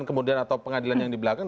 kemudian atau pengadilan yang di belakang